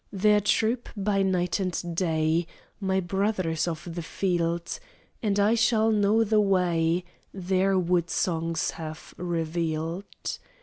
There troop by night and day My brothers of the field; And I shall know the way Their woodsongs have revealed.